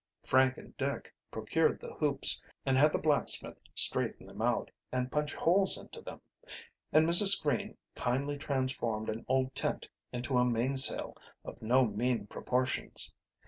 Frank and Dick procured the hoops and had the blacksmith straighten them out and punch holes into them, and Mrs. Green kindly transformed an old tent into a mainsail of no mean proportions.